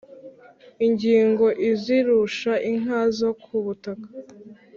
ingingo izirusha inka zo ku butaka